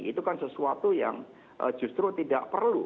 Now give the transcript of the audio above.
itu kan sesuatu yang justru tidak perlu